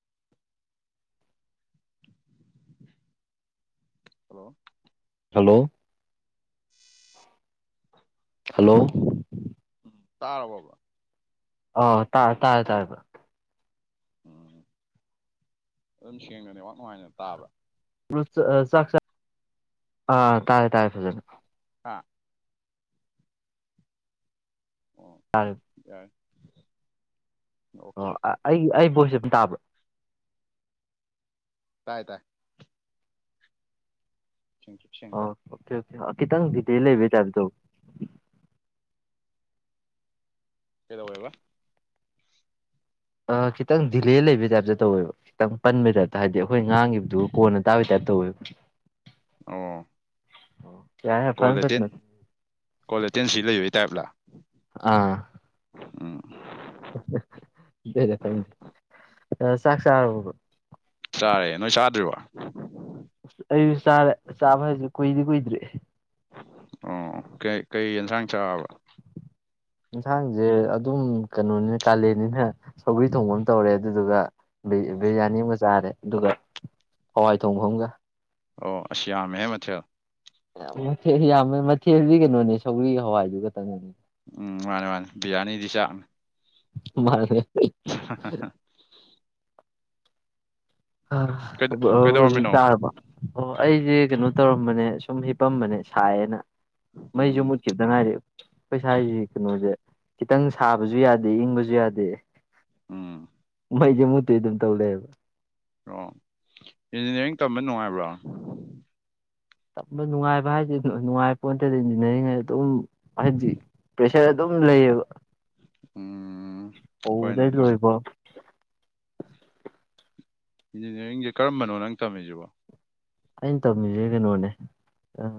[inaudible] hello hello hello ꯇꯥꯔꯕꯣ ꯑꯥ ꯇꯥꯔꯦ ꯇꯥꯔꯦ ꯇꯥꯔꯦꯕ ꯎꯝ ꯑꯗꯨꯝ ꯁꯦꯡꯅ ꯅꯦꯠꯋꯥꯛ ꯅꯨꯡꯉꯥꯏꯅ ꯇꯥꯕ꯭ꯔꯥ ꯕ꯭ꯔ ꯆ ꯑ ꯆꯥꯛ ꯆ ꯑꯥ ꯇꯥꯔꯦ ꯇꯥꯔꯦ ꯐꯖꯅ ꯑꯥ ꯑꯣ ꯇꯥꯔꯦ ꯌꯥꯏ ꯑꯣꯀꯦ ꯑꯣ ꯑ ꯑꯣꯀꯦ ꯑꯩꯒꯤ ꯑꯩ ꯕꯣꯏꯁꯁꯦ ꯐꯟ ꯇꯥꯕ꯭ꯔꯣ ꯇꯥꯏ ꯇꯥꯏ ꯁꯦꯡꯇ꯭ꯔꯤꯛ ꯁꯦꯡꯅ ꯇꯥꯏ ꯑ ꯈꯤꯇꯪ ꯊꯤꯇꯦꯜ ꯂꯩꯕꯩ ꯇꯥꯏꯞꯇ ꯇꯧꯋꯤ ꯀꯩꯗꯧꯋꯦꯕ ꯑ ꯈꯤꯇꯪ ꯗꯤꯂꯦ ꯂꯩꯕꯩ ꯇꯥꯏꯞꯇ ꯇꯧꯋꯦꯕ ꯈꯤꯇꯪ ꯄꯟꯕꯩ ꯇꯥꯏꯞꯇ ꯍꯥꯏꯗꯤ ꯑꯩꯈꯣꯏ ꯉꯥꯡꯈꯤꯕꯗꯨꯒ ꯀꯣꯟꯅ ꯇꯥꯕꯩ ꯇꯥꯏꯞ ꯇ ꯇꯧꯋꯦꯕ ꯑꯣ ꯌꯥꯔꯦ ꯌꯥꯔꯦ ꯐꯖꯅ ꯇꯠꯅ ꯀꯣꯜꯂꯦꯇꯤꯟ ꯀꯣꯜꯂꯦꯇꯤꯟ ꯁꯤ ꯂꯩꯕꯩ ꯇꯥꯏꯞꯂ ꯑꯥ ꯍ ꯑꯗꯨꯏꯔꯥ ꯈꯪꯗꯦ ꯑ ꯆꯥꯛ ꯆꯥꯔꯕꯣ ꯕ꯭ꯔꯣ ꯆꯥꯔꯦ ꯅꯣꯏ ꯆꯥꯗ꯭ꯔꯤꯕꯣ ꯑꯁ ꯑꯩꯁꯨ ꯆꯥꯔꯦ ꯆꯥꯕ ꯍꯥꯏꯖꯦ ꯀꯨꯏꯗꯤ ꯀꯨꯏꯗ꯭ꯔꯤ ꯑꯣ ꯀꯩ ꯀꯩ ꯌꯦꯟꯁꯥꯡ ꯆꯥꯕ ꯌꯦꯟꯁꯥꯡꯖꯦ ꯑꯗꯨꯝ ꯀꯩꯅꯣꯅꯤꯅ ꯀꯥꯂꯦꯟꯅꯤꯅ ꯁꯧꯒ꯭ꯔꯤ ꯊꯣꯡꯕ ꯑꯃ ꯇꯧꯔꯦ ꯑꯗꯨꯗꯨꯒ ꯕꯤꯔ ꯑ ꯕꯤꯔꯌꯥꯅꯤ ꯑꯃꯒ ꯆꯥꯔꯦ ꯑꯗꯨꯒ ꯍꯋꯥꯏ ꯊꯣꯡꯕ ꯑꯃꯒ ꯑꯣ ꯑꯁ ꯌꯥꯝꯃꯦꯍꯦ ꯃꯊꯦꯜ ꯃꯊꯦꯜ ꯌꯥꯝꯃꯦ ꯃꯊꯦꯜꯗꯤ ꯀꯩꯅꯣꯅꯦ ꯁꯧꯔꯤ ꯍꯋꯥꯏꯗꯨ ꯈꯛꯇꯪꯅꯤ ꯎꯝ ꯃꯥꯅꯦ ꯃꯥꯅꯦ ꯕꯤꯔꯌꯥꯅꯤꯗꯤ ꯆꯥꯛꯅꯦ ꯃꯥꯅꯦ ꯍꯍ [unintelligible] ꯍꯧꯖꯤꯛ ꯀꯩꯗꯧꯔꯝꯃꯤꯅꯣ ꯇꯥꯔꯕ ꯑꯣ ꯑꯩꯖꯤ ꯀꯩꯅꯣ ꯇꯧꯔꯝꯕꯅꯦ ꯁꯨꯝ ꯍꯄꯝꯕꯅꯦ ꯁꯥꯏꯌꯦꯅ ꯃꯩꯁꯨ ꯎꯝ ꯃꯨꯠꯈꯤꯕꯗ ꯉꯥꯏꯔꯤ ꯑꯩꯈꯣꯏꯁ꯭ꯋꯥꯏꯒꯤ ꯀꯩꯅꯣꯖꯦ ꯈꯤꯇꯪ ꯁꯥꯕꯖꯨ ꯌꯥꯗꯦ ꯏꯪꯕꯖꯨ ꯌꯥꯗꯦ ꯎꯝ ꯃꯩꯖꯦ ꯃꯨꯠꯇꯨꯏ ꯑꯗꯨꯝ ꯇꯧ ꯂꯩ ꯑꯕ ꯑꯣ ꯏꯟꯖꯤꯅꯤꯌꯥꯔꯤꯡ ꯇꯝꯕ ꯅꯨꯡꯉꯥꯏꯕ꯭ꯔꯣ ꯇꯝꯕ ꯅꯨꯡꯉꯥꯏꯕ ꯍꯥꯏꯖꯦ ꯅꯨꯡ ꯅꯨꯡꯉꯥꯏ ꯄꯣꯟꯇꯦꯗ ꯏꯟꯖꯤꯅꯤꯌꯥꯔꯤꯡ ꯍꯥꯏ ꯑꯗꯨꯝ ꯍꯥꯏꯗꯤ ꯄ꯭ꯔꯦꯁꯔ ꯑꯗꯨꯝ ꯎꯝ ꯂꯩꯌꯦꯕ ꯎꯝ ꯍꯣꯏꯅꯦ ꯍꯧꯗꯩ ꯑꯗꯨ ꯂꯣꯏꯕꯥꯎ ꯏꯟꯖꯤꯅꯤꯌꯥꯔꯤꯡꯖꯦ ꯀꯔꯝꯕꯅꯣ ꯅꯪ ꯇꯝꯃꯤꯖꯤꯕꯣ ꯑꯩꯅ ꯇꯝꯃꯤꯖꯦ ꯀꯩꯅꯣꯅꯦ ꯑ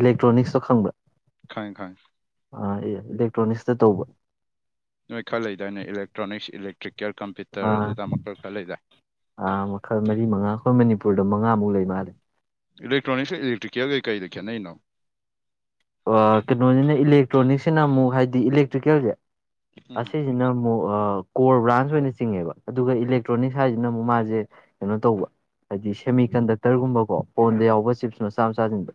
ꯏꯂꯦꯛꯇ꯭ꯔꯣꯅꯤꯛꯁꯇꯣ ꯈꯪꯕ꯭ꯔꯥ ꯈꯪꯉꯦ ꯈꯪꯉꯦ ꯑ ꯑꯩ ꯏꯂꯦꯛꯇ꯭ꯔꯣꯅꯤꯛꯁꯇ ꯇꯧꯕ ꯅꯣꯏ ꯈꯔ ꯂꯩꯗꯥꯏ ꯅꯦ ꯏꯂꯦꯛꯇ꯭ꯔꯣꯅꯤꯛꯁ ꯏꯂꯦꯛꯇ꯭ꯔꯤꯀꯦꯜ ꯀꯝꯄ꯭ꯌꯨꯇꯔ ꯑꯗꯨ ꯑꯗꯥ ꯃꯈꯜ ꯈꯔ ꯂꯩꯗꯥꯏ ꯑꯥ ꯃꯈꯜ ꯃꯔꯤ ꯃꯉꯥ ꯑꯩꯈꯣꯏ ꯃꯅꯤꯄꯨꯔꯗ ꯃꯉꯥꯃꯨꯛ ꯂꯩ ꯃꯥꯜꯂꯦ ꯏꯂꯦꯛꯇ꯭ꯔꯣꯅꯤꯛꯁꯀ ꯏꯂꯦꯛꯇ꯭ꯔꯤꯀꯦꯜꯒꯩ ꯀꯩꯗ ꯈꯦꯠꯅꯩꯅꯣ ꯑꯥ ꯀꯩꯅꯣꯅꯤꯅ ꯏꯂꯦꯛꯇ꯭ꯔꯣꯅꯤꯛꯁꯤꯅ ꯑꯃꯨꯛ ꯍꯥꯏꯗꯤ ꯏꯂꯦꯛꯇ꯭ꯔꯤꯀꯦꯜꯖꯦ ꯎꯝ ꯑꯁꯤꯁꯤꯅ ꯑꯃꯨꯛ ꯑ ꯀꯣꯔ ꯕ꯭ꯔꯥꯟꯁ ꯑꯣꯏꯅ ꯆꯤꯡꯉꯦꯕ ꯑꯗꯨꯒ ꯏꯂꯦꯛꯇ꯭ꯔꯣꯅꯤꯛꯁ ꯍꯥꯏꯖꯤꯅ ꯑꯃꯨꯛ ꯃꯥꯖꯦ ꯀꯩꯅꯣ ꯇꯧꯕ ꯍꯥꯏꯗꯤ ꯁꯦꯃꯤ ꯀꯟꯗꯛꯇꯔꯒꯨꯝꯕ ꯀꯣ ꯐꯣꯟꯗ ꯌꯥꯎꯕ ꯆꯤꯞꯁ ꯃꯆꯥ ꯃꯆꯥꯁꯤꯡꯗ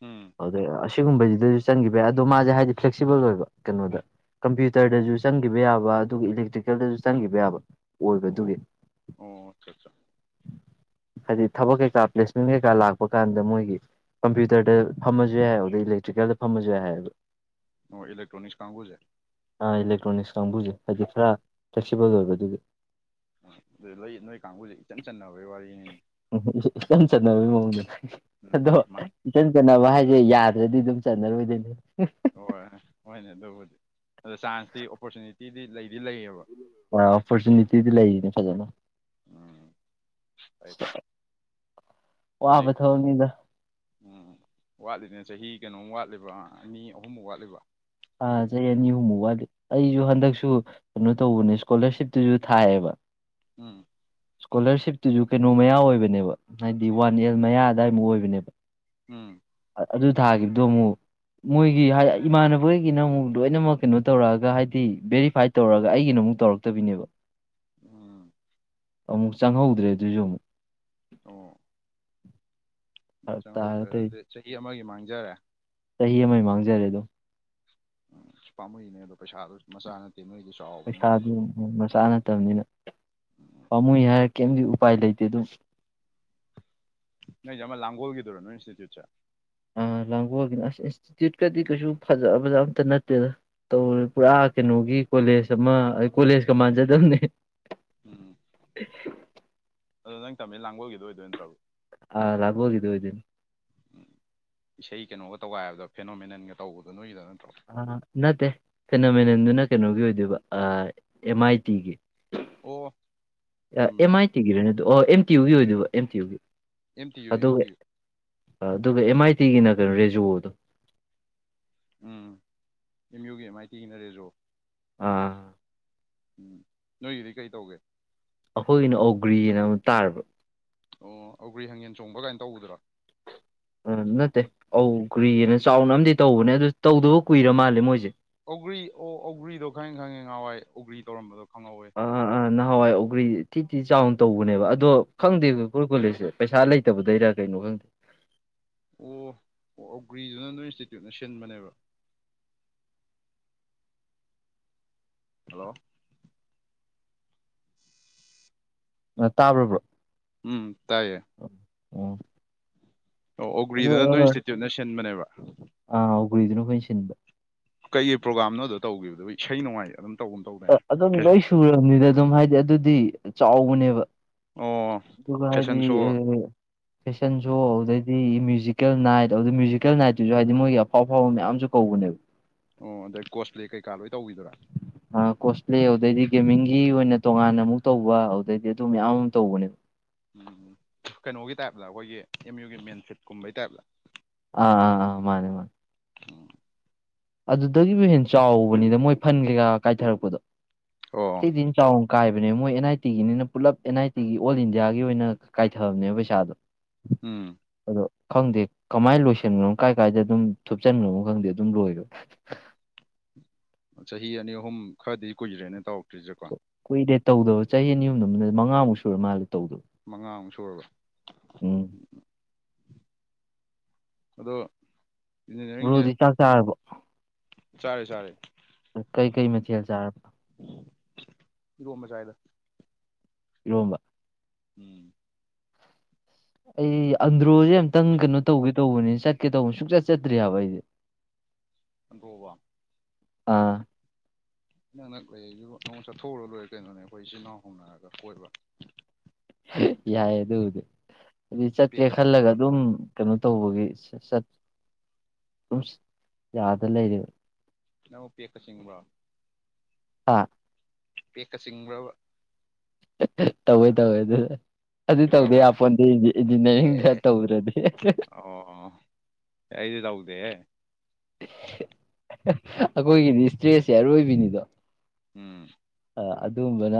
ꯎꯝ ꯑꯗꯩ ꯑꯁ ꯁꯤꯒꯨꯝꯕꯖꯤꯗꯁꯨ ꯆꯪꯒꯤꯕ ꯌꯥꯏ ꯑꯗꯣ ꯃꯥꯖꯦ ꯍꯥꯏꯗꯤ ꯐ꯭ꯂꯦꯛꯁꯤꯕꯜ ꯑꯣꯏꯕ ꯀꯩꯅꯣꯗ ꯀꯝꯄ꯭ꯌꯨ ꯇꯔꯗꯖꯨ ꯆꯪꯒꯤꯕ ꯌꯥꯕ ꯑꯗꯨꯒ ꯏꯂꯦꯛꯇ꯭ꯔꯤꯀꯦꯜꯗꯖꯨ ꯆꯪꯒꯤꯕ ꯌꯥꯕ ꯑꯣ ꯑꯣꯏꯕꯗꯨꯒꯤ ꯑꯣ ꯑꯠꯆꯥ ꯑꯠꯆꯥ ꯍꯥꯏꯗꯤ ꯊꯕꯛ ꯀꯩꯀꯥ ꯄ꯭ꯂꯦꯁꯃꯦꯟ ꯀꯩꯀꯥ ꯂꯥꯛꯄ ꯀꯥꯟꯗ ꯃꯣꯏꯒꯤ ꯀꯝꯄ꯭ꯌꯨꯇꯔꯗ ꯐꯝꯃꯁꯨ ꯌꯥꯏ ꯑꯗꯨꯗꯩ ꯏꯂꯦꯛꯇ꯭ꯔꯤꯀꯦꯜꯗ ꯐꯝꯃꯁꯨ ꯌꯥꯏ ꯍꯥꯏꯌꯦꯕ ꯑꯣ ꯏꯂꯦꯛꯇ꯭ꯔꯣꯅꯤꯛꯁ ꯀꯥꯡꯒꯨꯁꯦ ꯑꯥ ꯏꯂꯦꯛꯇ꯭ꯔꯣꯅꯤꯛꯁ ꯀꯥꯡꯕꯨꯁꯦ ꯍꯥꯏꯗꯤ ꯈꯔ ꯐ꯭ꯂꯦꯛꯁꯤꯕꯜ ꯑꯣꯏꯕ ꯑꯗꯨꯒꯤ ꯑꯗꯨ ꯅꯣꯏ ꯅꯣꯏ ꯀꯥꯡꯒꯨꯁꯦ ꯏꯆꯟ ꯆꯟꯅꯕꯩ ꯋꯥꯔꯤꯅꯤꯅꯦ ꯏꯆꯟ ꯆꯠꯅꯕꯒꯤ ꯃꯑꯣꯡꯗ ꯑꯗꯣ ꯎꯝ ꯃꯥꯏ ꯏꯆꯟ ꯆꯠꯅꯕ ꯍꯥꯏ ꯑꯩꯁꯦ ꯌꯥꯗ꯭ꯔꯗꯤ ꯑꯗꯨꯝ ꯆꯟꯅꯔꯣꯏꯗꯣꯏꯅꯦ ꯍꯣꯏ ꯍꯣꯏꯅꯦ ꯑꯗꯨꯕꯨꯗꯤ ꯑꯗꯣ ꯆꯥꯟꯁꯇꯤ ꯑꯣꯄꯣꯔꯆꯨꯅꯤꯇꯤꯗꯤ ꯂꯩ ꯑ ꯑꯣꯄꯣꯔꯆꯨꯅꯤꯇꯤꯗꯤ ꯂꯩꯔꯤꯅꯤ ꯐꯖꯅ ꯍꯣꯏꯣꯏ [inaudible] ꯋꯥꯕ ꯍꯧꯖꯤꯛ ꯊꯕꯛꯅꯤꯗ ꯎꯝ ꯋꯥꯠꯂꯤꯅꯦ ꯆꯍꯤ ꯀꯩꯅꯣꯝ ꯋꯥꯠꯂꯤꯕ ꯑꯅꯤ ꯑꯍꯨꯝꯃꯨꯛ ꯋꯥꯠꯂꯤꯕ ꯑꯥ ꯆꯍꯤ ꯑꯅꯤ ꯑꯍꯨꯝꯃꯨꯛ ꯋꯥꯠꯂꯤ ꯑꯩꯁꯨ ꯍꯟꯗꯛꯁꯨ ꯀꯩꯅꯣ ꯇꯧꯕꯅꯦ ꯁꯀꯣꯂꯔꯁꯤꯞꯇꯨꯁꯨ ꯊꯥꯏꯑꯕ ꯎꯝ ꯁꯀꯣꯂꯔꯁꯤꯞꯇꯨꯁꯨ ꯀꯩꯅꯣ ꯃꯌꯥ ꯑꯣꯏꯕꯅꯦꯕ ꯍꯥꯏꯗꯤ ꯋꯥꯟ ꯌꯔ ꯃꯌꯥ ꯑꯗꯥꯏꯃꯨꯛ ꯑꯣꯏꯕꯅꯦꯕ ꯎꯝ ꯑꯗꯨ ꯊꯥꯈꯤꯕꯗꯣ ꯑꯃꯨꯛ ꯃꯣꯏꯒꯤ ꯏꯃꯥꯟꯅꯕꯣꯏꯒꯤꯅ ꯑꯃꯨꯛ ꯂꯣꯏꯅꯃꯛ ꯀꯩꯅꯣ ꯇꯧꯔꯛꯑꯒ ꯍꯥꯏꯗꯤ ꯚꯦꯔꯤꯐꯥꯏꯠ ꯇꯧꯔꯒ ꯑꯩꯒꯤꯅ ꯑꯃꯨꯛ ꯇꯧꯔꯛꯇꯕꯤꯅꯦꯕ ꯎꯝ ꯑꯃꯨꯛ ꯆꯪꯍꯧꯗ꯭ꯔꯦ ꯑꯗꯨꯖꯨ ꯑꯃꯨꯛ ꯑꯣ ꯐꯔꯛ ꯇꯥꯔꯦ ꯆꯪꯍꯧꯗ꯭ꯔꯦ ꯇꯧ ꯑꯗꯨꯗꯤ ꯆꯍꯤ ꯑꯃꯒꯤ ꯃꯥꯡꯖꯔꯦ ꯆꯍꯤ ꯑꯃꯒꯤ ꯃꯥꯡꯖꯔꯦꯗꯨꯝ ꯎꯝ ꯄꯥꯝꯃꯨꯏꯅꯦ ꯑꯗꯣ ꯄꯩꯁꯥꯗꯨ ꯃꯆꯥꯅ ꯄꯩꯁꯥꯗꯨ ꯃꯆꯥ ꯅꯠꯇꯕꯅꯤꯅ ꯎꯝ ꯄꯥꯝꯃꯨꯏ ꯍꯥꯏꯔ ꯀꯩꯝꯗꯤ ꯎ ꯎꯄꯥꯏ ꯂꯩꯇꯦ ꯑꯗꯨꯝ ꯅꯣꯏꯖꯦ ꯑꯃ ꯂꯥꯡꯒꯣꯜꯒꯤꯗꯨꯔꯣ ꯅꯣꯏ ꯏꯟꯁꯇꯤꯇ꯭ꯨꯠꯁꯦ ꯑ ꯂꯥꯡꯒꯣꯜꯒꯤꯅ ꯑꯁ ꯏꯟꯁꯇꯤꯇ꯭ꯌꯨꯠꯀꯗꯤ ꯀꯩꯁꯨ ꯐꯖ ꯐꯖ ꯑꯝꯇ ꯅꯠꯇꯦꯗ ꯇꯧꯔ ꯄꯨꯔꯥ ꯀꯩꯅꯣꯒꯤ ꯀꯣꯂꯦꯖ ꯑꯃ ꯑ ꯀꯣꯂꯦꯖꯀ ꯃꯥꯟꯖꯗꯕꯅꯦ ꯎꯝ ꯑꯗ ꯅꯪ ꯇꯃꯦꯜ ꯂꯥꯡꯒꯣꯜꯒꯤꯗꯣ ꯑꯣꯏꯗꯣꯏ ꯅꯠꯇ꯭ꯔꯕ ꯑ ꯂꯥꯡꯒꯣꯜꯒꯤꯗꯣ ꯑꯣꯏꯗꯣꯏꯅꯦ ꯎꯝ ꯏꯁꯩ ꯀꯩꯅꯣꯒ ꯇꯧꯒꯥꯏꯕꯗꯣ ꯐꯦꯅꯣꯃꯦꯅꯟꯒ ꯇꯧꯕꯗꯣ ꯅꯣꯏꯒꯤꯗ ꯅ ꯑ ꯅꯠꯇꯦ ꯐꯦꯅꯣꯃꯦꯅꯟꯗꯨꯅ ꯀꯩꯅꯣꯒꯤ ꯑꯣꯏꯗꯣꯏꯕ ꯑꯦꯝ ꯑꯥꯏ ꯇꯤꯒꯤ ꯑꯣ ꯆꯨꯝꯃꯦ ꯑꯦꯝ ꯑꯥꯏ ꯇꯤꯒꯤꯔꯅꯦ ꯑꯗꯨ ꯑꯣ ꯑꯦꯝ ꯇꯤ ꯌꯨꯒꯤ ꯑꯣꯏꯗꯕ ꯑꯦꯝ ꯇꯤ ꯌꯨꯒꯤ ꯑꯦꯝꯇꯤ ꯌꯨ ꯑꯗꯨꯒ ꯑꯦꯝꯇꯤ ꯌꯨ ꯑꯗꯨꯒ ꯑꯦꯝ ꯑꯥꯏ ꯇꯤꯒꯤꯅ ꯀꯩꯅꯣ ꯔꯦꯖꯣꯗꯣ ꯎꯝ ꯑꯦꯝ ꯌꯨꯒꯤ ꯃꯥꯏꯇꯤꯒꯤꯅ ꯔꯦꯖꯣ ꯑꯥ ꯎꯝ ꯅꯣꯏꯒꯤꯗꯤ ꯀꯩ ꯇꯧꯒꯦ ꯑꯩꯈꯣꯏꯒꯤꯅ ꯑꯧꯒ꯭ꯔꯤꯅ ꯑꯃ ꯇꯥꯔꯕ ꯑꯣ ꯑꯩꯒ꯭ꯔꯤ ꯍꯪꯒꯦꯟ ꯆꯣꯡꯕ ꯀꯥꯏꯅ ꯇꯩꯕꯗꯨꯔꯣ ꯑ ꯅꯠꯇꯦ ꯑꯧ ꯀꯨꯏꯑꯅ ꯆꯥꯎꯅ ꯑꯃꯗꯤ ꯇꯧꯕꯅꯦ ꯑꯗꯨ ꯇꯧꯗꯕ ꯀꯨꯏꯔ ꯃꯥꯜꯂꯦ ꯃꯣꯏꯁꯦ ꯑꯣꯒ꯭ꯔꯤ ꯑꯣ ꯑꯣꯒ꯭ꯔꯤꯗꯣ ꯈꯪꯉꯦ ꯈꯪꯉꯦ ꯉꯍꯥꯟꯋꯥꯏ ꯑꯣꯒ꯭ꯔꯤ ꯇꯧꯔꯝꯕꯗꯣ ꯈꯪꯍꯧꯋꯦ ꯍꯥꯟꯋꯥꯏ ꯑꯣꯒ꯭ꯔꯤ ꯊꯤ ꯊꯤ ꯆꯥꯎꯅ ꯇꯧꯕꯅꯦꯕ ꯑꯗꯣ ꯈꯪꯗꯦ ꯀꯣꯂꯦꯖꯁꯦ ꯄꯩꯁꯥ ꯂꯩꯇꯕꯗꯩꯔ ꯀꯩꯅꯣ ꯈꯪꯗꯦ [inaudible] ꯑꯣ ꯑꯣ ꯑꯣꯒ꯭ꯔꯤꯗꯨꯅ ꯅꯣꯏ ꯏꯟꯁꯇꯤꯇ꯭ꯌꯨꯠꯅ ꯁꯤꯟꯕꯅꯦꯕ ꯍꯜꯂꯣ ꯇꯥꯕ꯭ꯔꯕ꯭ꯔꯣ ꯎꯝ ꯇꯥꯏꯌꯦ ꯑꯣ ꯑꯣ ꯑꯗꯨ ꯑꯣꯒ꯭ꯔꯤꯗꯨꯅ ꯅꯣꯏ ꯏꯟꯁꯇꯤꯇ꯭ꯌꯨꯠꯅ ꯁꯤꯟꯕꯅꯦꯕ ꯑꯥ ꯎꯒ꯭ꯔꯤꯗꯨꯅ ꯑꯩꯈꯣꯏꯅ ꯁꯤꯟꯕ ꯀꯩ ꯀꯩ ꯄ꯭ꯔꯣꯒꯥꯝꯅꯣꯗꯣ ꯇꯧꯈꯤꯕꯗꯨꯣ ꯏꯁꯩ ꯅꯨꯡꯉꯥꯏ ꯑꯗꯨꯝ ꯇꯧꯒꯨꯝ ꯇꯧꯗꯥꯏꯅꯦ ꯑꯗꯨꯝ ꯂꯣꯏ ꯁꯨꯔꯕꯅꯤꯗ ꯑꯗꯨꯝ ꯍꯥꯏꯗꯤ ꯑꯗꯨꯗꯤ ꯆꯥꯎꯕꯅꯦꯕ ꯑꯣ ꯑꯗꯨꯒ ꯐꯦꯁꯟ ꯍꯥꯏꯗꯤ ꯁꯣ ꯑ ꯐꯦꯁꯟ ꯁꯣ ꯍꯧꯗꯗꯤ ꯁꯤ ꯃ꯭ꯌꯨꯖꯤꯀꯦꯜ ꯅꯥꯏꯠ ꯑꯗꯨ ꯃ꯭ꯌꯨꯖꯤꯀꯦꯜ ꯅꯥꯏꯠꯇꯨꯁꯨ ꯍꯥꯏꯗꯤ ꯃꯣꯏꯒꯤ ꯑꯐꯥꯎ ꯑꯐꯥꯎꯕ ꯃꯌꯥꯝꯁꯨ ꯀꯧꯕꯅꯦꯕ ꯑꯣ ꯑꯗꯨ ꯀꯣꯁꯄꯂꯦ ꯀꯩ ꯀꯂꯣꯏ ꯑ ꯀꯣꯁ꯭ꯞꯂꯦ ꯑꯗꯨꯗꯩꯗꯤ ꯒꯦꯃꯤꯡꯒꯤ ꯑꯣꯏꯅ ꯇꯣꯉꯥꯟꯅ ꯑꯃꯨꯛ ꯇꯧꯕ ꯑꯗꯨꯗꯩꯗꯤ ꯑꯗꯨ ꯃꯌꯥꯝ ꯇꯧꯕꯅꯦꯕ ꯎꯝ ꯀꯩꯅꯣꯒꯤ ꯇꯥꯏꯞꯇ ꯑꯩꯈꯣꯏꯒꯤ ꯑꯦꯝ ꯌꯨꯒꯤ ꯃꯦꯟꯁꯤꯠꯀꯨꯝꯕꯩ ꯇꯥꯏꯞꯇ ꯑꯥ ꯑꯥ ꯑꯥ ꯃꯥꯅꯦ ꯃꯥꯅꯦ ꯎꯝ ꯑꯗꯨꯗꯒꯤꯕꯨ ꯍꯦ ꯆꯥꯎꯕꯅꯤꯗ ꯃꯣꯏ ꯐꯟ ꯀꯩꯀꯥ ꯀꯥꯏꯊꯔꯛꯄꯗꯣ ꯑꯣ ꯁꯤꯗꯤꯟ ꯆꯥꯑꯣꯅꯥꯀꯥꯏ ꯅꯦ ꯃꯣꯏ ꯑꯦꯟ ꯑꯥꯏ ꯇꯤꯒꯤꯅꯤꯅ ꯄꯨꯂꯞ ꯑꯦꯟ ꯑꯥꯏ ꯇꯤꯒꯤ ꯑꯣꯜ ꯏꯟꯗꯤꯌꯥꯒꯤ ꯑꯣꯏꯅ ꯀꯥꯏꯊꯕꯅꯦꯕ ꯄꯩꯁꯥꯗꯣ ꯎꯝ ꯑꯗꯣ ꯈꯪꯗꯦ ꯀꯃꯥꯏꯅ ꯂꯣꯏꯁꯤꯟꯈ꯭ꯔꯅꯣ ꯀꯥꯏ ꯀꯥꯏꯗ ꯑꯗꯨꯝ ꯊꯨꯞꯆꯟꯈ꯭ꯔꯅꯣ ꯈꯪꯗꯦ ꯑꯗꯨꯝ ꯂꯣꯏꯔꯣꯏ ꯆꯍꯤ ꯑꯅꯤ ꯑꯍꯨꯝ ꯈꯔꯗꯤ ꯀꯨꯏꯗ꯭ꯔꯦꯅꯦ ꯇꯧꯔꯛꯇ꯭ꯔꯤꯁꯦꯀꯣ ꯀꯨꯏꯔꯦ ꯇꯧꯗꯕ ꯆꯍꯤ ꯑꯅꯤ ꯑꯍꯨꯝ ꯃꯉꯃꯨꯛ ꯁꯨꯔ ꯃꯥꯜꯂꯦ ꯇꯧꯗꯕ ꯃꯉꯥꯃꯨꯛ ꯁꯨꯔꯕ ꯎꯝ ꯎꯝ ꯑꯗꯣ ꯭ꯕꯔꯣꯗꯤ ꯆꯥꯛ ꯆꯥꯔꯕ ꯆꯔꯦ ꯆꯔꯦ ꯀꯩ ꯀꯩ ꯃꯊꯦꯜ ꯆꯥꯔꯕ ꯏꯔꯣꯝꯕꯥ ꯆꯥꯏ ꯏꯔꯣꯝꯕ ꯎꯝ ꯑꯩ ꯑꯟꯗ꯭ꯔꯣꯁꯦ ꯑꯝꯇꯪ ꯀꯩꯅꯣ ꯇꯧꯒꯦ ꯇꯧꯕꯅꯤꯅ ꯆꯠꯀꯦ ꯇꯧꯕꯅꯤ ꯁꯨꯛꯆꯠ ꯆꯗ꯭ꯔꯤ ꯍꯥꯏꯕ ꯑꯩꯁꯦ [inaudible] [inaudible] ꯑꯥ ꯅꯪ ꯅꯛ ꯂꯩꯔꯤꯁꯤ ꯅꯪꯉ ꯆꯠꯊꯣꯛꯎꯔ ꯂꯣꯏꯔꯦ ꯀꯩꯅꯣꯅꯦ ꯑꯩꯈꯣꯏ ꯏꯆꯤꯜ ꯏꯅꯥꯎ ꯍꯣꯡꯅꯔꯒ ꯀꯣꯏꯕ ꯌꯥꯏ ꯑꯗꯨꯕꯨꯗꯤ ꯑꯗꯨꯗꯤ ꯆꯠꯀꯦ ꯄꯦꯛꯀ ꯈꯜꯂꯒ ꯆꯤꯡꯕ꯭ꯔꯣ ꯑꯗꯨꯝ ꯀꯩꯅꯣ ꯇꯧꯕꯒꯤꯆꯠ ꯑꯗꯨ ꯌꯥꯗ ꯂꯩꯔꯤꯕꯔꯤ ꯏꯅꯥꯎ ꯄꯦꯛꯀ ꯆꯤꯡꯕ꯭ꯔꯣ ꯑꯥ ꯄꯦꯀꯆꯤꯡꯕ꯭ꯔꯕ ꯇꯧꯏ ꯇꯧꯏ ꯑꯗꯨ ꯑꯗꯨ ꯇꯧꯗꯦ ꯇꯧꯋꯦ ꯌꯄꯣꯟꯗꯤ ꯏꯟꯖꯤꯅꯤꯌꯥꯔꯤꯡꯗ ꯑꯦ ꯇꯧꯔꯗꯤ ꯑꯣ ꯑꯩꯗꯤ ꯇꯧꯗꯦ ꯍꯦ ꯑꯩꯈꯣꯏꯒꯤꯗꯤ ꯏꯁꯇ꯭ꯔꯦꯁꯁꯦ ꯑꯔꯣꯏꯕꯤꯅꯤꯗꯣ ꯎꯝ ꯑꯗꯨꯒꯝꯕꯅ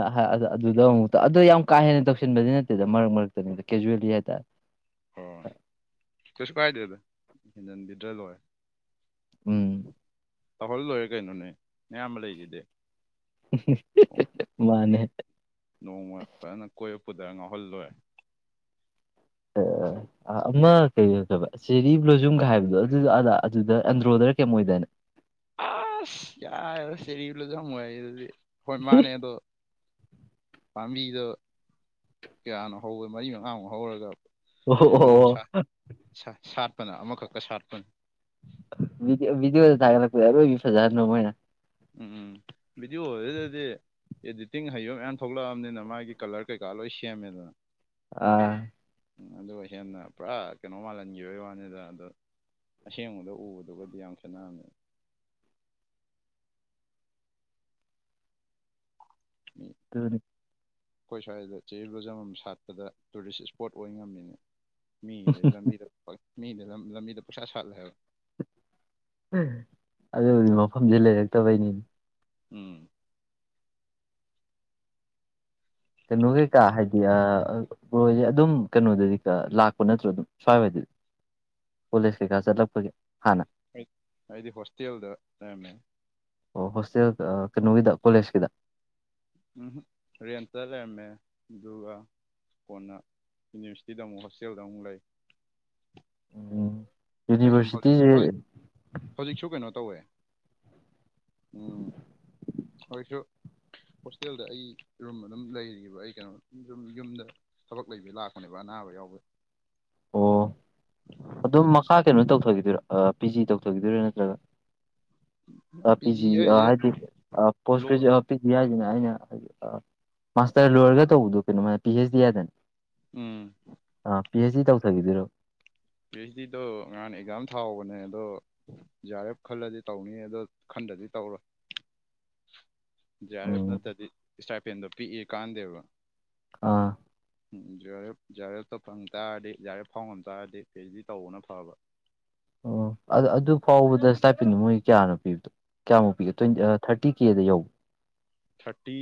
ꯑꯗꯨꯗ ꯑꯃꯨꯛꯇ ꯑꯗꯨꯗꯣ ꯌꯥꯝ ꯀꯥ ꯍꯦꯟꯅ ꯇꯧꯁꯤꯟꯕꯗꯤ ꯅꯠꯇꯦꯗ ꯃꯔꯛ ꯃꯔꯛꯇꯅꯤꯗ ꯀꯦꯖꯨꯋꯦꯜꯂꯤ ꯍꯥꯏꯦ [inaudible] ꯍꯣꯏ ꯀꯩꯁꯨ ꯀꯥꯏꯗꯦꯗ ꯍꯦꯟꯖꯤꯟꯕꯤꯗ꯭ꯔ ꯂꯣꯏꯔꯦ ꯎꯝ ꯇꯧꯍꯜ ꯂꯣꯏꯔꯦ ꯀꯩꯅꯣꯅꯦ ꯑꯌꯥꯝꯕ ꯂꯩꯈꯤꯗꯦ ꯃꯥꯅꯦ ꯄꯨꯗꯔ ꯉꯥꯎꯍꯜꯂꯣꯏꯦ ꯑꯃ ꯀꯩꯗꯕ ꯆꯦꯔꯤ ꯕ꯭ꯂꯣꯖꯨꯝꯒ ꯍꯥꯏꯕꯗꯣ ꯑꯗꯨ ꯑꯗꯥ ꯑꯗꯨꯗ ꯑꯟꯗ꯭ꯔꯣꯗ ꯀꯦ ꯃꯣꯏꯗꯅꯦ ꯑꯁ ꯌꯥꯔꯔ ꯆꯦꯔꯤ ꯂꯁꯨ ꯑꯗꯨꯗꯤ ꯍꯣꯏ ꯃꯥꯅꯦ ꯑꯗꯣ ꯄꯥꯝꯕꯤꯗ ꯀꯌꯥꯅꯣ ꯍꯧꯕꯦ ꯃꯔꯤ ꯃꯉꯥꯃꯨꯛ ꯍꯧꯔꯒ ꯑꯣ ꯑꯣ ꯐꯅ ꯑꯃꯈꯛꯀ ꯁꯥꯠꯄꯅꯤ ꯗꯤꯑꯣ ꯊꯥꯒ ꯂ ꯌꯥꯔꯣꯏꯁ ꯍꯖꯔ ꯅꯣ ꯃꯅꯥ ꯎꯝ ꯕꯤꯗꯤ ꯑꯣꯏꯗꯗꯤ ꯑꯦꯗꯤꯇꯤꯡ ꯍꯌꯡꯞ ꯃ ꯊꯣꯛꯂꯛꯑꯕꯅꯤꯅ ꯃꯥꯒꯤ ꯀꯂꯔ ꯀꯩꯀꯥ ꯂꯣꯏ ꯁꯦꯝꯃꯦꯗꯅ ꯑꯥ ꯑꯗꯨꯒ ꯍꯦꯟꯅ ꯄꯨꯔꯥ ꯀꯩꯅꯣ ꯃꯥꯜꯍꯟꯈꯤꯕꯒꯤ ꯋꯥꯅꯤꯗ ꯑꯗꯣ ꯑꯁꯦꯡꯕꯗ ꯎꯕꯗꯨꯒꯗꯤ ꯌꯥꯝ ꯈꯦꯠꯅꯔꯝꯃꯦ [inaudible] ꯃꯤ ꯇꯅꯤ ꯑꯩꯈꯣꯏ ꯁ꯭ꯋꯥꯏꯗ ꯆꯜ ꯂꯣꯖꯃꯝ ꯁꯥꯠꯄꯗ ꯇꯨꯔꯤꯁ ꯏꯁꯄꯣꯠ ꯑꯣꯏ ꯉꯝꯃꯤꯅꯦ ꯃ ꯂꯩ ꯂꯗ ꯂꯕꯤꯗ ꯄꯁꯥꯁꯜ ꯍꯥꯏ ꯑꯗꯨꯕꯨꯗꯤ ꯃꯐꯝꯁ ꯂꯩꯔꯛꯇꯕꯩꯅꯤ ꯎꯝ ꯀꯩꯅꯣ ꯀꯩꯀꯥ ꯍꯥꯏꯗꯤꯣꯏꯁꯦ ꯑꯗꯨꯝ ꯀꯩꯅꯣꯗꯗꯤ ꯀ ꯂꯥꯛꯄ ꯅꯠꯇ꯭ꯔꯣ ꯑꯗꯨꯝ ꯁ꯭ꯋꯥꯏꯗꯗꯤ ꯀꯣꯂꯤꯁ ꯀꯩꯀꯥ ꯆꯠꯂꯛꯄꯒꯦ ꯑꯩꯗꯤ ꯍꯣꯁꯇꯦꯜꯗ ꯂꯩꯔꯝꯃꯦ ꯗ ꯀꯣꯂꯦꯁ ꯀꯗ ꯎꯝ ꯔꯔꯤꯟꯇꯔꯔꯃꯦ ꯒꯥ ꯀꯣꯟꯅ ꯌꯨꯅꯤꯚꯔꯁꯤꯇꯤꯗ ꯑꯃꯨꯛ ꯍꯣꯁꯇꯦꯜꯗ ꯑꯃꯨꯛ ꯂꯩ ꯎꯝ ꯑꯩ ꯁꯨꯝ ꯍꯧꯖꯤꯛ ꯌꯨꯅꯤꯚꯔꯁꯤꯇꯤꯁꯦ ꯍꯧꯖꯤꯛ ꯍꯧꯖꯤꯛꯁꯨ ꯀꯩꯅꯣ ꯇꯧꯋꯦ [inaudible] ꯎꯝ ꯍꯁꯨ ꯍꯣꯁꯇꯦꯜꯗ ꯑꯩ ꯔꯨꯝ ꯑꯗꯨꯝ ꯂꯩꯔꯤꯕ ꯑꯩ ꯀꯩꯅꯣ ꯌꯨꯝꯗ ꯊꯕꯛ ꯂꯩꯕ ꯂꯥꯛꯄꯅꯦꯕ ꯑꯅꯥꯕ ꯌꯥꯎꯕ [inaudible] ꯑꯣ ꯑꯗꯨꯝ ꯃꯈꯥ ꯀꯩꯅꯣ ꯇꯧꯊꯈꯤꯗꯣꯏꯔꯥ ꯄꯤ ꯖꯤ ꯇꯧꯊꯈꯤꯗꯣꯏꯔ‌ꯣ ꯅꯠꯇ꯭ꯔꯒ ꯑ ꯄꯤ ꯖꯤ ꯍꯥꯏꯗꯤ ꯑ ꯄꯣꯁ ꯂꯣ ꯒꯔ‌ꯦꯖꯨꯌ‌ꯦꯠ ꯑ ꯄꯤ ꯖꯤ ꯍꯥꯏꯁꯤꯅ ꯑ ꯃꯥꯁꯇꯔ ꯂꯣꯏꯔꯒ ꯇꯧꯕꯗꯣ ꯀꯩꯅꯣꯃ ꯄꯤ ꯍꯆ ꯗꯤ ꯍꯥꯏꯗꯥꯏꯅ‌ꯦ ꯎꯝ ꯄꯤ ꯑꯩꯆ ꯗꯤ ꯇꯧꯊꯈꯤꯗꯣꯏꯔꯣ ꯄꯤ ꯑꯩꯆ ꯗꯤꯗꯣ ꯉꯍꯥꯟꯅ ꯑꯦꯛꯖꯥꯝ ꯊꯥꯎꯍꯧꯕꯅꯦ ꯑꯗꯣ ꯖꯤ ꯑꯥꯔ ꯑꯦꯐ ꯈꯜꯂꯗꯤ ꯇꯧꯅꯤ ꯑꯗꯣ ꯈꯟ ꯗ꯭ꯔꯗꯤ ꯇꯧꯔ‌ꯣꯏ ꯖꯤ ꯑꯥꯔ ꯑꯦꯐ ꯎꯝ ꯅꯠꯇꯗꯤ ꯏꯁꯇꯥꯏꯄꯦꯟꯗꯣ ꯄꯤꯛꯏ ꯀꯥꯟꯗꯦꯕ ꯑꯥ J R F J R F ꯀ ꯐꯪ ꯇꯥꯔꯗꯤ ꯖꯤ ꯔ ꯑꯦꯐ ꯐꯥꯎ ꯉꯝ ꯇꯥꯔꯗꯤ ꯄꯤ ꯑꯩꯁꯦ ꯗꯤ ꯇꯧꯕꯅ ꯐꯕ ꯑꯣ ꯑꯗꯨ ꯐꯥꯎꯕꯗꯇꯥꯏꯄꯤꯅꯤ ꯃꯣꯏ ꯀꯌꯥꯅꯣ ꯄꯤꯕꯗꯣ ꯀꯌꯥꯃꯨꯛ ꯄꯤꯒ ꯇ꯭ꯋꯦꯟ ꯊꯥꯔꯇꯤ ꯀꯦꯗ ꯌꯧꯕ ꯊꯥꯔꯇꯤ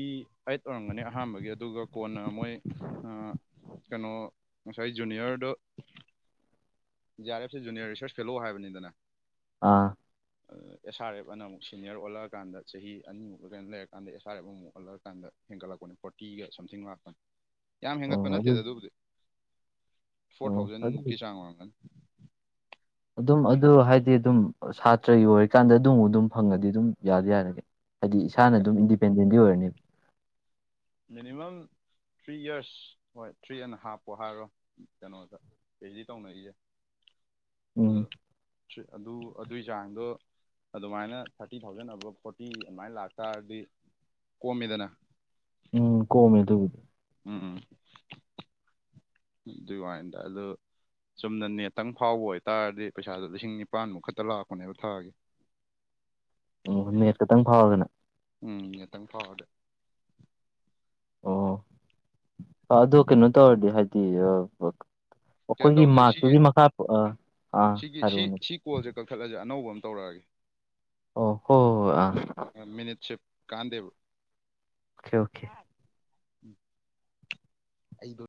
ꯑꯩꯠ ꯑꯣꯏꯔꯝꯒꯅꯤ ꯑꯍꯥꯟꯕꯒꯤ ꯑꯗꯨꯒ ꯀꯣꯟꯅ ꯃꯣꯏ ꯀꯩꯅꯣ ꯉꯁꯥꯏ ꯖꯨꯅꯤꯌꯔꯗꯣ ꯖꯤ ꯑꯥꯔ ꯑꯦꯐꯁꯦ ꯖꯨꯅꯤꯌꯔ ꯔꯤꯁꯔꯁ ꯐꯦꯂꯣ ꯍꯥꯏꯕꯅꯤꯗꯅ ꯑꯥ ꯑꯦꯁ ꯑꯔ ꯑꯦꯐ ꯑꯅꯤ ꯁꯤꯅꯤꯌꯔ ꯑꯣꯂꯛꯑꯀꯟꯗ ꯆꯍꯤ ꯑꯅꯤꯃꯨꯛꯛꯇ ꯀꯅ ꯂꯩꯔꯀꯥꯟꯗ ꯑꯦꯁ ꯑꯔ ꯑꯦꯐ ꯑꯃꯨꯛ ꯑꯣꯂꯛꯑꯀꯟꯗ ꯀ‌ꯣꯟꯅꯥ ꯐꯣꯔꯇꯤꯒ ꯁꯝꯊꯤꯡ ꯂꯥꯛꯄꯅꯤ ꯌꯥꯝ ꯑꯣ ꯍꯦꯟꯒꯠꯄ ꯑꯗꯨ ꯅꯠꯇꯦꯗ ꯑꯗꯨꯕꯨꯗꯤ ꯐꯣꯔ ꯑꯣ ꯑꯗꯨ ꯊꯥꯎꯖꯟꯃꯨꯛꯀꯤ ꯆꯥꯡ ꯑꯣꯏꯔꯝꯒꯅꯤ ꯑꯗꯨꯝ ꯑꯗꯨ ꯍꯥꯏꯗꯤ ꯑꯗꯨꯝ ꯁꯥꯇ꯭ꯔꯒꯤ ꯑꯣꯏꯔꯤꯀꯥꯟꯗ ꯑꯗꯨꯝ ꯑꯗꯨꯝ ꯐꯪꯉꯗꯤ ꯑꯗꯨꯝ ꯌꯥꯗꯤ ꯌꯥꯔꯍ‌ꯦ ꯍꯥꯏꯗꯤ ꯏꯁꯥꯅ ꯌꯥꯏ ꯑꯗꯨꯝ ꯏꯟꯗꯤꯄꯦꯟꯗꯦꯟꯗꯤ ꯑꯣꯏꯔꯅꯦ ꯃꯤꯅꯤꯃꯝ ꯊ꯭ꯔꯤ ꯌꯔꯁ ꯍꯣꯏ ꯊ꯭ꯔꯤ ꯑꯦꯟ ꯍꯥꯐꯄꯨ ꯍꯥꯏꯔꯣ ꯀꯩꯅꯣꯗ ꯄꯤ ꯑꯩꯁ ꯗꯤ ꯇꯧꯅꯩꯖ‌ꯦ ꯎꯝ ꯑꯗꯨ ꯑꯗꯨꯏ ꯆꯥꯡꯗꯣ ꯑꯗꯨꯃꯥꯏꯅ ꯊꯥꯔꯇꯤ ꯊꯥꯎꯖꯟ ꯑꯕꯞ ꯐꯣꯔꯇꯤ ꯑꯗꯨꯃꯥꯏꯅ ꯂꯥꯛꯇꯥꯔꯗꯤ ꯀꯣꯝꯃꯦꯗꯅ ꯎꯝ ꯀꯣꯃꯦꯑꯗꯨꯕꯨꯗꯤ ꯎꯝ ꯑꯗꯨꯏ ꯋꯥꯅꯤꯗ ꯑꯗꯨ ꯆꯨꯝꯅ ꯅꯦꯠꯇꯪ ꯐꯥꯎꯕ ꯑꯣꯏꯇꯥꯔꯗꯤ ꯄꯩꯁꯥꯗꯣ ꯂꯤꯁꯤꯡ ꯅꯤꯄꯥꯟꯃꯨꯛ ꯈꯛꯇ ꯂꯥꯛꯄꯅꯦꯕ ꯊꯥꯒꯤ ꯑꯣ ꯅ‌ꯦꯠ ꯈꯛꯇꯪ ꯐꯥꯎꯔꯒꯅ ꯅ‌ꯦꯠꯇꯪ ꯐꯥꯎꯔꯗꯤ ꯑꯣ ꯑꯗꯨ ꯀꯩꯅꯣ ꯇꯧꯔꯗꯤ ꯍꯥꯏꯗꯤ ꯀꯩꯅꯣ ꯑꯩꯈꯣꯏꯒꯤ ꯇꯧꯁꯦ ꯁꯤꯒꯤ ꯃꯥꯔꯛꯇꯨꯒꯤ ꯃꯈꯥ ꯑꯥ ꯑꯃꯥ ꯁꯤꯒꯤ ꯁꯤ ꯍꯥꯏꯔꯨꯅꯦ ꯁꯤ ꯀꯣꯜꯁꯦ ꯀꯛꯊꯠꯂꯁꯦ ꯑꯅꯧꯕ ꯑꯃ ꯇꯧꯔꯛꯑꯒꯦ ꯍꯣꯏ ꯍꯣꯏ ꯍꯣꯏ ꯑꯥ ꯃꯤꯅꯤꯠ ꯁꯤꯞ ꯀꯥꯟꯗꯦꯕ ꯑꯣꯀꯦ ꯑꯣꯀꯦ ꯎ ꯑꯩꯗꯣ